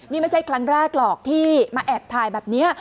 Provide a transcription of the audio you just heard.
นี่ไม่ใช่ครั้งแรกหรอกที่มาแอบถ่ายแบบนี้